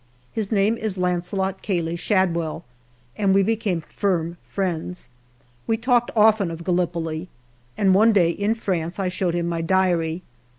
His name is Launcelot Cayley Shadwell, and we became firm friends. We talked often of Gallipoli, and one day, in France, I showed him my diary.